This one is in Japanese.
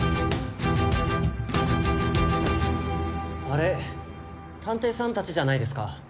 あれ探偵さんたちじゃないですか。